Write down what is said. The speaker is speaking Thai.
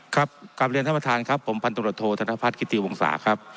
ครับกราบเรียนท่านประธานครับผมพันธุระโทษธนภาษณ์คิติวงศาครับ